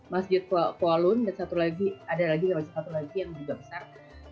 masjid qualun dan satu lagi ada lagi satu lagi yang juga besar